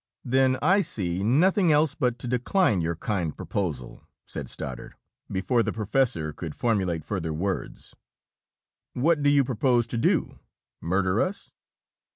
"Then I see nothing else but to decline your kind proposal," said Stoddard, before the professor could formulate further words. "What do you propose to do murder us?"